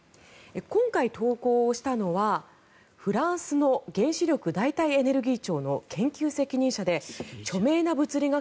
今回投稿したのはフランスの原子力・代替エネルギー庁の研究責任者で著名な物理学